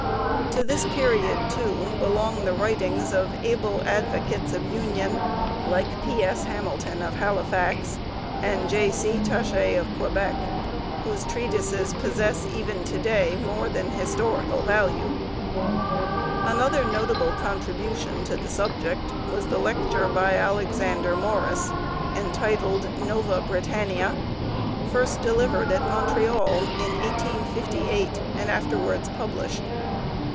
To this period, too, belong the writings of able advocates of union like P. S. Hamilton of Halifax and J. C. Taché of Quebec, whose treatises possess even to day more than historical value. Another notable contribution to the subject was the lecture by Alexander Morris entitled Nova Britannia, first delivered at Montreal in 1858 and afterwards published.